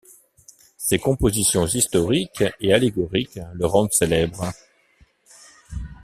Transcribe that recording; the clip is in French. Ses compositions historiques et allégoriques le rendent célèbre.